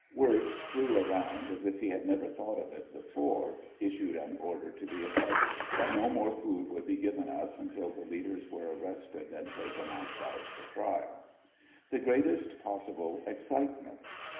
Wirtz flew around as if he had never thought of it before, issued an order to the effect that no more food would be given us until the leaders were arrested and taken outside for trial. The greatest possible excitement.